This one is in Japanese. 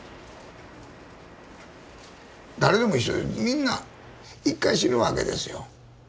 誰でも一緒みんな１回死ぬわけですよ。